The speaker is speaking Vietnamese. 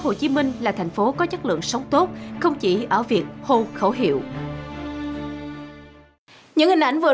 hồ chí minh là thành phố có chất lượng sống tốt không chỉ ở việc hồ khẩu hiệu những hình ảnh vừa